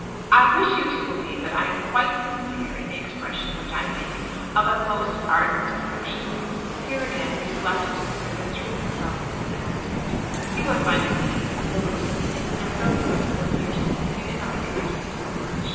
"I wish you to believe that I am quite sincere in the expression which I make of a most ardent affection." Here again he slapped his waistcoat and threw himself into an attitude. He was by no means an ill looking man, and though he was forty years old, he did not appear to be so much.